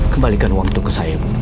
kembalikan uang itu ke saya